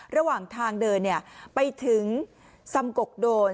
ระหว่างทางเดินไปถึงสำกกโดน